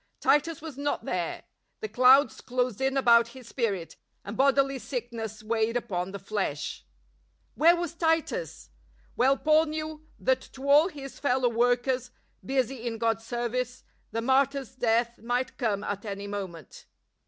Titus was not there; the clouds closed in about his spirit, and bodily sickness weighed upon the flesh. Where was Titus ? Well Paul knew that to all his fellow workers, busy in God's service, the martyr's death might come at any moment.